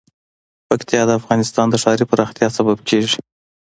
پکتیا د افغانستان د ښاري پراختیا سبب کېږي.